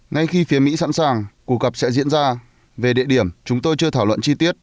ngay khi phía mỹ sẵn sàng cuộc gặp sẽ diễn ra về địa điểm chúng tôi chưa thảo luận chi tiết